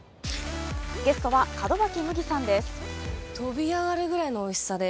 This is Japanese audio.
ゲストは門脇麦さんです。